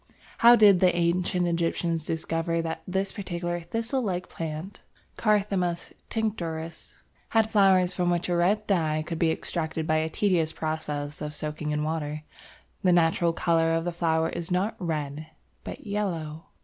How did the ancient Egyptians discover that this particular thistle like plant (Carthamus tinctorius) had flowers from which a red dye could be extracted by a tedious process of soaking in water? The natural colour of the flowers is not red but yellow.